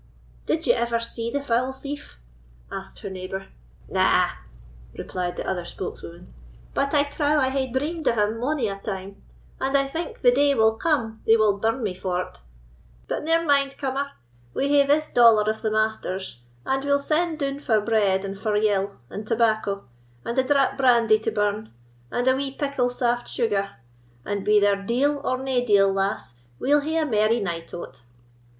"Did ye ever see the foul thief?" asked her neighbour. "Na!" replied the other spokeswoman; "but I trow I hae dreamed of him mony a time, and I think the day will come they will burn me for't. But ne'er mind, cummer! we hae this dollar of the Master's, and we'll send doun for bread and for yill, and tobacco, and a drap brandy to burn, and a wee pickle saft sugar; and be there deil, or nae deil, lass, we'll hae a merry night o't."